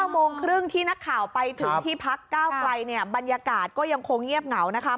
โมงครึ่งที่นักข่าวไปถึงที่พักก้าวไกลบรรยากาศก็ยังคงเงียบเหงา